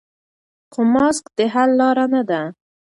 خو ماسک د حل لاره نه ده.